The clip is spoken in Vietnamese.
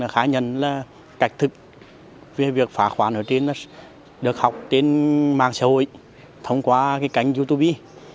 khá nhân là cạch thực về việc phá khoản ở trên đó được học trên mạng xã hội thông qua cái cánh youtube